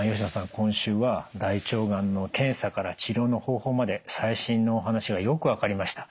今週は大腸がんの検査から治療の方法まで最新のお話がよく分かりました。